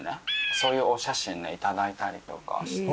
そういうお写真頂いたりとかして。